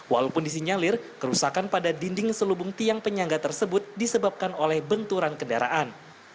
walaupun disinyalir kerusakan pada dinding selubung tiang penyangga tersebut disebabkan oleh benturan kendaraan